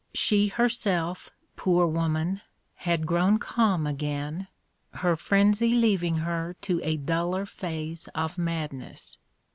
She herself, poor woman, had grown calm again, her frenzy leaving her to a duller phase of madness.